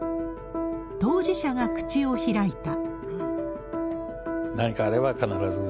当事者が口を開いた。